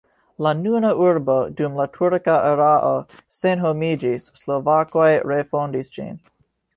La nuna urbo dum la turka erao senhomiĝis, slovakoj refondis ĝin.